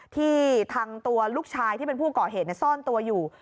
ที่ทางตัวลูกชายที่เป็นผู้ก่อเหตุซ่อนตัวอยู่